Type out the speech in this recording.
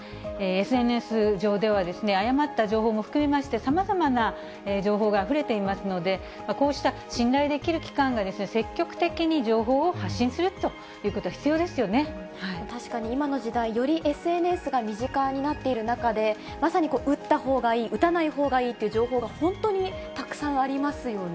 ＳＮＳ上では、誤った情報も含めまして、さまざまな情報があふれていますので、こうした信頼できる機関が積極的に情報を発信するということは必確かに今の時代、よりＳＮＳが身近になっている中で、まさに打ったほうがいい、打たないほうがいいっていう情報が、本当にたくさんありますよね。